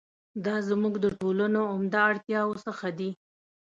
دا زموږ د ټولنو عمده اړتیاوو څخه دي.